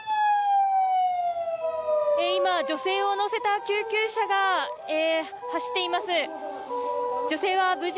今、女性を乗せた救急車が走っています。